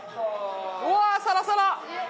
うわサラサラ。